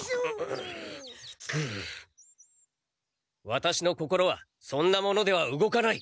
ワタシの心はそんなものでは動かない。